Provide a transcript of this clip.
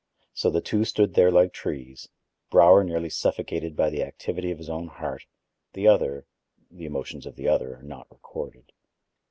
So the two stood there like trees, Brower nearly suffocated by the activity of his own heart; the other—the emotions of the other are not recorded.